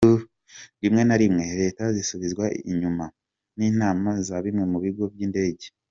Rimwe na rimwe leta zisubizwa inyuma n’inama za bimwe mu bigo by’indege.